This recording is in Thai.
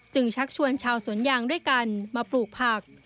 ชักชวนชาวสวนยางด้วยกันมาปลูกผัก